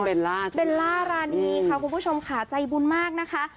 เบลล่ารานีค่ะคุณผู้ชมค่ะใจบุญมากนะคะ